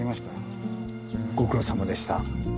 ご苦労さまでした。